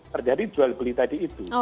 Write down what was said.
terjadi jual beli tadi itu